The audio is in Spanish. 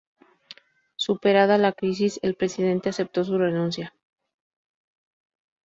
Superada la crisis, el presidente aceptó su renuncia.